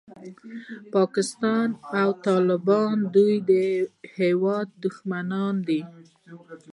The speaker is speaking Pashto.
پاکستان او طالبان د دې هېواد دښمنان دي.